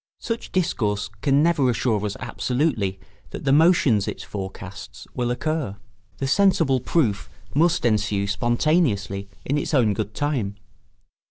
Such discourse can never assure us absolutely that the motions it forecasts will occur; the sensible proof must ensue spontaneously in its own good time.